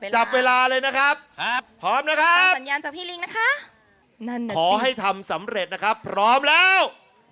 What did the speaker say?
จับเวลาเลยนะครับพร้อมนะครับพอให้ทำสำเร็จนะครับพร้อมแล้ว